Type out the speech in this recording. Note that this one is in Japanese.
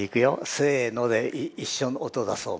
「せの」で一緒の音出そう。